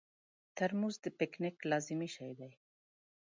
ترموز د پکنیک لازمي شی دی.